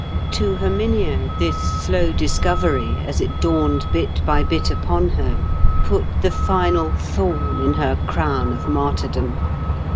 To Herminia this slow discovery, as it dawned bit by bit upon her, put the final thorn in her crown of martyrdom.